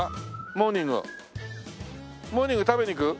モーニング食べに行く？